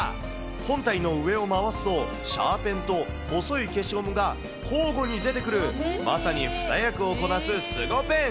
本体の上を回すと、シャーペンと細い消しゴムが交互に出てくる、まさに２役をこなすスゴペン。